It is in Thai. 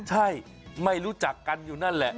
ใช่ไม่รู้จักกันอยู่นั่นแหละ